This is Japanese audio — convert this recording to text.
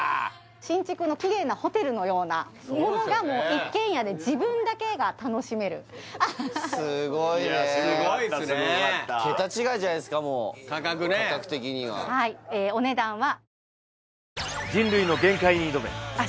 新築のキレイなホテルのようなものがもう一軒家で自分だけが楽しめるすごいねすごいですねもう価格的には価格ね